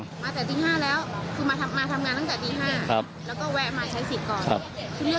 คือมาทำงานตั้งแต่ตี๕แล้วก็แวะมาใช้สิทธิ์ก่อน